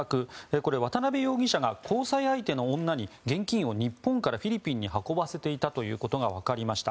これ、渡邉容疑者が交際相手の女に現金を日本からフィリピンに運ばせていたということがわかりました。